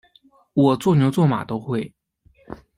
我做牛做马都会